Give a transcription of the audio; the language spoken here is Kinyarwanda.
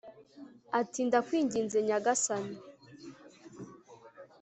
ati “Ndakwinginze nyagasani